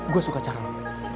gua suka caranya